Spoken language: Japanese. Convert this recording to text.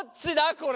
これ！